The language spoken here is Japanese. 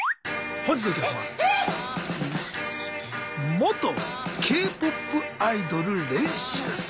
元Ｋ−ＰＯＰアイドル練習生。